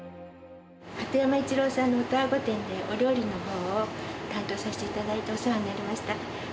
鳩山一郎さんの音羽御殿で、お料理のほうを担当させていただいて、お世話になりました。